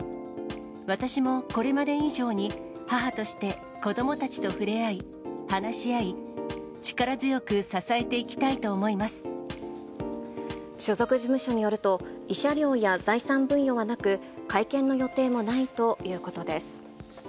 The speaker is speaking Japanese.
私もこれまで以上に、母として子どもたちと触れ合い、話し合い、所属事務所によると、慰謝料や財産分与はなく、会見の予定もないということです。